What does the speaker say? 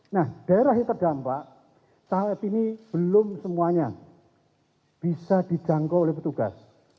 nah daerah yang terdampak tahap ini belum semuanya bisa dijangkau oleh petugas